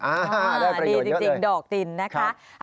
ได้เพลงโดยเยอะเลยดีจริงดอกดินนะคะครับ